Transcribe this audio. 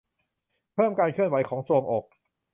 เพิ่มการเคลื่อนไหวของทรวงอก